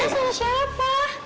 lo salah siapa